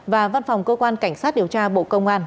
và văn phòng cơ quan cảnh sát điều tra bộ công an